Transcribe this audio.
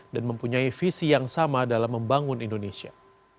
dan mempunyai visi yang sama dalam membangun indonesia